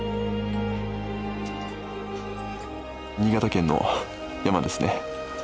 新潟県の山ですね。